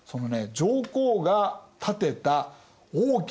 上皇が建てた大きな寺院。